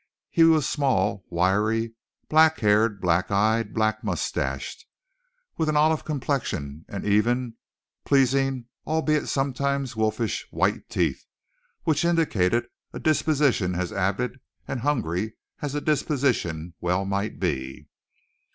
He was small, wiry, black haired, black eyed, black mustached, with an olive complexion and even, pleasing, albeit at times wolfish, white teeth which indicated a disposition as avid and hungry as a disposition well might be.